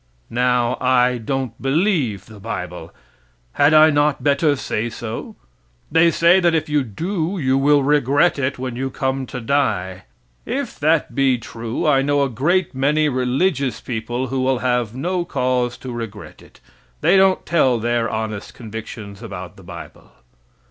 Now, I don't believe the bible. Had I not better say so? They say that if you do you will regret it when you come to die. If that be true, I know a great many religious people who will have no cause to regret it they don't tell their honest convictions about the bible.